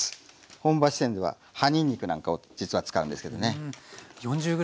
本場四川では葉にんにくなんかを実は使うんですけどね。